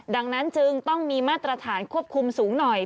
ดังนั้นจึงต้องมีมาตรฐานควบคุมสูงหน่อย